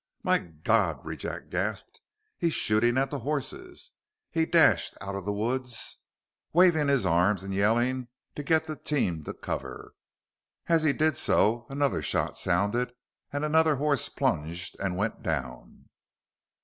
"My god," Rejack gasped. "He's shooting at the horses!" He dashed out of the woods, waving his arms and yelling to get the team to cover. As he did so, another shot sounded, and another horse plunged and went down.